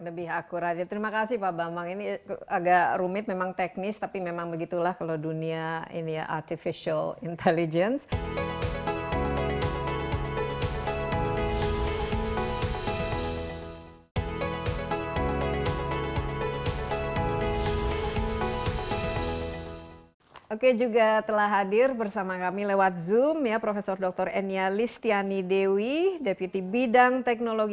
lebih akurat terima kasih pak bambang